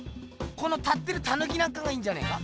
この立ってるタヌキなんかがいいんじゃねえか。